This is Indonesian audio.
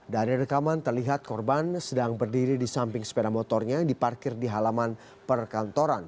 dari rekaman terlihat korban sedang berdiri di samping sepeda motornya yang diparkir di halaman perkantoran